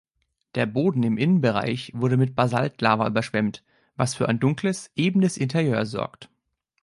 Der Boden im Innenbereich wurde mit Basaltlava überschwemmt, was für ein dunkles, ebenes Interieur sorgt.